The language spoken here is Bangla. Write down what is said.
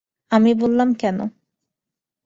আমি বলিলাম, কেন?